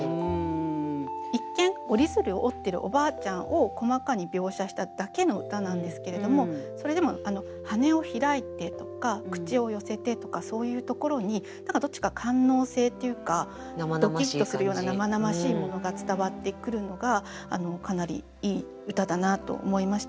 一見折り鶴を折ってるおばあちゃんを細かに描写しただけの歌なんですけれどもそれでも「はねをひらいて」とか「口を寄せて」とかそういうところにどっちか官能性っていうかドキッとするような生々しいものが伝わってくるのがかなりいい歌だなと思いました。